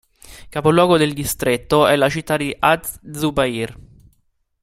Capoluogo del distretto è la città di Az-Zubayr.